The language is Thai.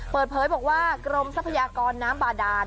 เปิดเผยบอกว่ากรมทรัพยากรน้ำบาดาน